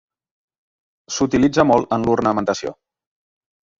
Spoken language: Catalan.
S’utilitza molt en l’ornamentació.